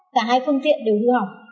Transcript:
cả hai phương tiện đều hư hỏng